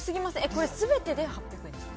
これで８００円ですか？